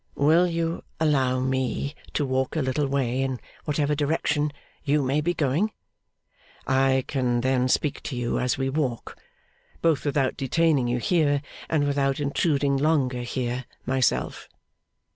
'Will you allow Me to walk a little way in whatever direction you may be going? I can then speak to you as we walk, both without detaining you here, and without intruding longer here myself.